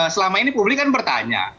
selama ini publik kan bertanya